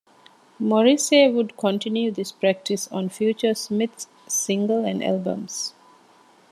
Morrissey would continue this practice on future Smiths singles and albums.